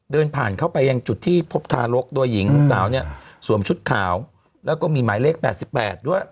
เดินผ่านเข้าไปยังจุดที่พบทารกโดยหญิงสาวเนี่ยสวมชุดขาวแล้วก็มีหมายเลข๘๘ด้วย